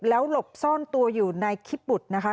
แล้วหลบซ่อนตัวอยู่ในคิปบุตรนะคะ